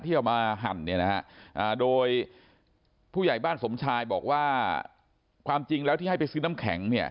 ที่เอามาหันโดยผู้ใหญ่บ้านสมชายบอกว่าความจริงแล้วที่ให้ไปซื้อน้ำแข็ง